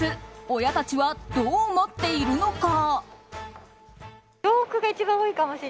親たちはどう思っているのか。